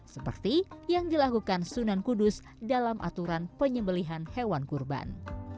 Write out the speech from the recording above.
seperti yang dilakukan sunan kudus dalam aturan penyembelihan hewan kurban